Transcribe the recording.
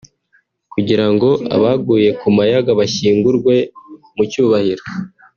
kugira ngo abaguye ku Mayaga bashyingurwe mu cyubahiro